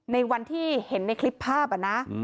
ในวันที่เห็นในคลิปภาพนะ